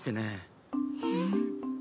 えっ？